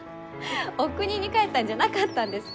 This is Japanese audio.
おくにに帰ったんじゃなかったんですか？